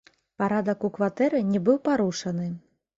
Парадак у кватэры не быў парушаны.